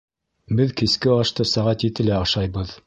Беҙ киске ашты сәғәт етелә ашайбыҙ.